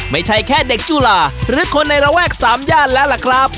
ไม่ใช่แค่เด็กจุฬาหรือคนในระแวกสามย่านแล้วล่ะครับ